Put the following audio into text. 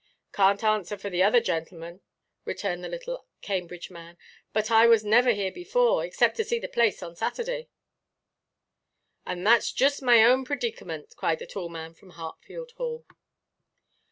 "Canʼt answer for the other gentlemen," returned the little Cambridge man, "but I was never here before, except to see the place on Saturday." "And thatʼs joost my own predeecament," cried the tall man from Hatfield Hall.